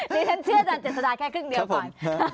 นี่ฉันเชื่อจันเจ็ดสดาแค่ครึ่งเดียวก่อน